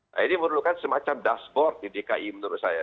nah ini memerlukan semacam dashboard di dki menurut saya